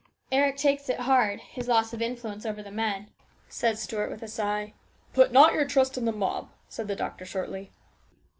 " Eric takes it hard his loss of influence over the men," said Stuart with a sigh. " Put not your trust in the mob," replied the doctor shortly.